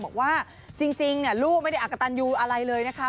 บอกว่าจริงลูกไม่ได้อักกะตันยูอะไรเลยนะคะ